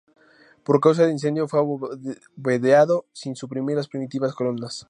Por causa de incendio fue abovedado, sin suprimir las primitivas columnas.